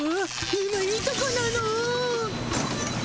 今いいとこなの。